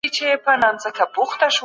د کارګرانو حقونه باید خوندي وي.